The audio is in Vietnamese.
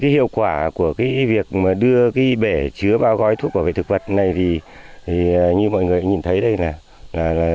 đưa cái bể chứa bao gói thuốc bảo vệ thực vật này thì như mọi người nhìn thấy đây là